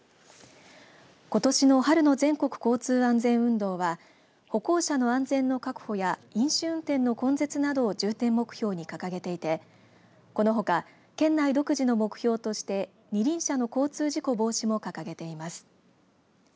ことしの春の全国交通安全運動は歩行者の安全の確保や飲酒運転の根絶などを重点目標に掲げていてこのほか県内独自の目標として二輪車の交通事故防止も掲げています。